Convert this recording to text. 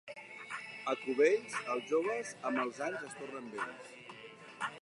A Cubells, els joves, amb els anys es tornen vells.